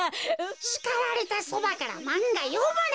しかられたそばからまんがよむな。